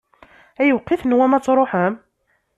Ayweq i tenwam ad tṛuḥem?